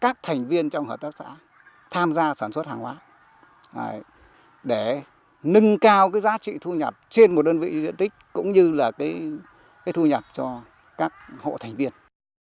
các thành viên trong hợp tác xã tham gia sản xuất hàng hóa để nâng cao cái giá trị thu nhập trên một đơn vị diện tích cũng như là cái thu nhập cho các hộ thành viên